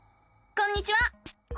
こんにちは。